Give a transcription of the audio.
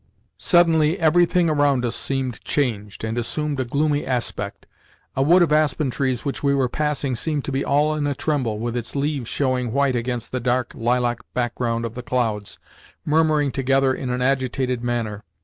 Suddenly everything around us seemed changed, and assumed a gloomy aspect. A wood of aspen trees which we were passing seemed to be all in a tremble, with its leaves showing white against the dark lilac background of the clouds, murmuring together in an agitated manner.